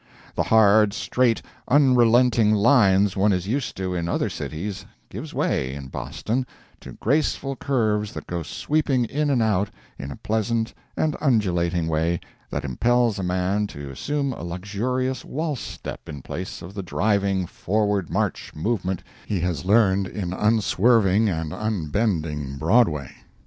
The hard, straight, unrelenting lines one is used to in other cities, gives way, in Boston, to graceful curves that go sweeping in and out in a pleasant and undulating way that impels a man to assume a luxurious waltz step in place of the driving, forward march movement he has learned in unswerving and unbending Broadway.